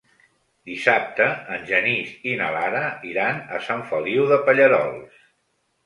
Dissabte en Genís i na Lara iran a Sant Feliu de Pallerols.